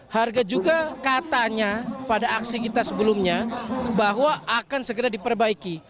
harga juga katanya pada aksi kita sebelumnya bahwa akan segera diperbaiki